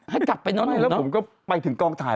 ให้กลับไปนอนเนอะไม่สินะแล้วผมก็ไปถึงกลางถ่าย